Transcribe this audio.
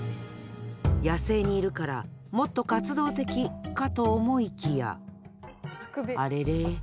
野生にいるからもっと活動的かと思いきやあれれ。